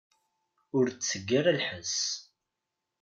Ur tteg ara lḥess.